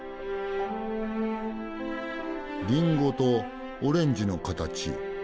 リンゴとオレンジの形。